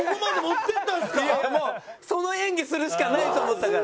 もうその演技するしかないと思ったから。